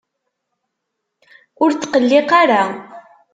Ur tqelliq ara!